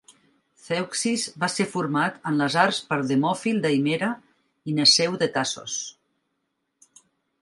Zeuxis va ser format en les arts per Demòfil de Himera i Neseu de Tasos.